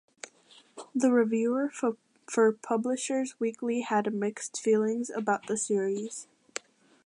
The reviewer for "Publishers Weekly" had mixed feelings about the series.